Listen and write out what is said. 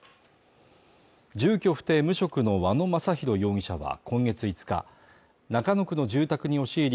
住居不定無職の和野正弘容疑者は今月５日中野区の住宅に押し入り